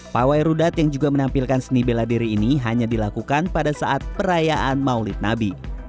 pawai rudat yang juga menampilkan seni bela diri ini hanya dilakukan pada saat perayaan maulid nabi